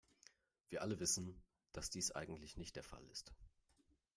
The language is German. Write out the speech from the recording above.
Wir alle wissen, dass dies eigentlich nicht der Fall ist.